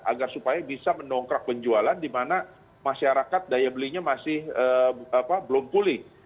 agar supaya bisa mendongkrak penjualan di mana masyarakat daya belinya masih belum pulih